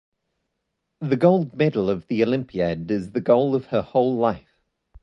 The gold medal of the Olympiad is the goal of her whole life.